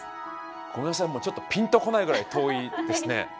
ごめんなさいちょっとピンと来ないぐらい遠いですね。